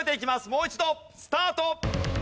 もう一度スタート！